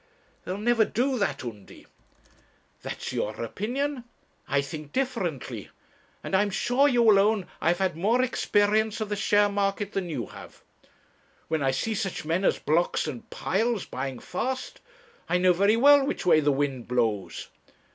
'They'll never do that, Undy.' 'That's your opinion. I think differently. And I'm sure you will own I have had more experience of the share market than you have. When I see such men as Blocks and Piles buying fast, I know very well which way the wind blows.